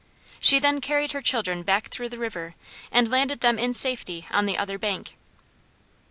She then carried her children back through the river and landed them in safety on the other bank.